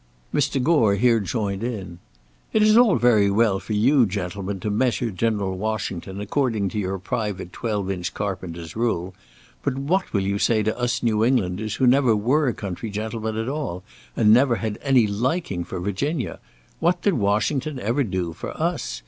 Mr. Gore here joined in: "It is all very well for you gentlemen to measure General Washington according to your own private twelve inch carpenter's rule. But what will you say to us New Englanders who never were country gentlemen at all, and never had any liking for Virginia? What did Washington ever do for us?